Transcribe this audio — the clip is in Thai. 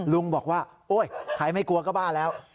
ลุงบอกว่าโอ๊ยใครไม่กลัวก็บ้าแล้ว